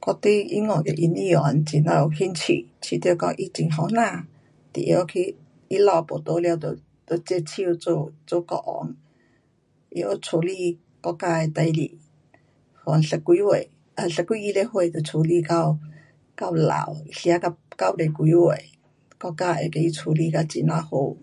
我对英国的英女皇很呀有兴趣。觉得讲她很年轻就会晓去，她老父没在了就，就接手做国王。会晓处理国家的事情。从十几岁，十几二十岁就处理到，到老。吃到九十几岁，国家会给她处理得很呀好。